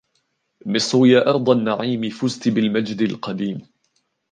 مصر يا أرض النعيم فزت بالمجد القديم